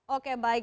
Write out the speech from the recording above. oke baik mbak dut